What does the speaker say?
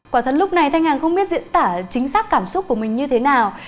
quả thật lúc này thanh hàng không biết diễn tả chính xác cảm xúc của mình như thế nào